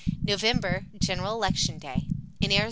November General Election Day. In Ariz.